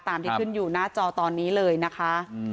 ที่ขึ้นอยู่หน้าจอตอนนี้เลยนะคะ